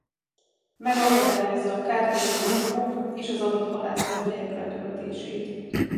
Megakadályozza a kártevő programok és az adathalász webhelyek betöltését.